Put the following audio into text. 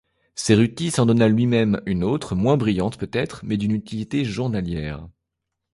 Cerutti s’en donna lui-même une autre, moins brillante peut-être, mais d’une utilité journalière.